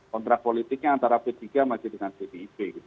kontrak politiknya antara p tiga masih dengan gdp